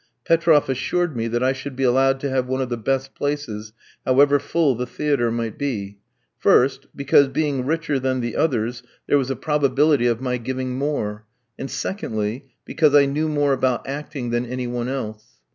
Petroff assured me that I should be allowed to have one of the best places, however full the theatre might be; first, because being richer than the others, there was a probability of my giving more; and, secondly, because I knew more about acting than any one else.